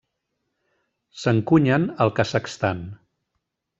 S'encunyen al Kazakhstan.